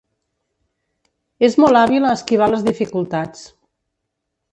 És molt hàbil a esquivar les dificultats.